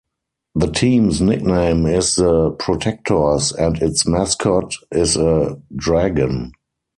The team's nickname is the "Protectors", and its mascot is a dragon.